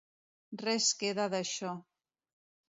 Res queda d’això.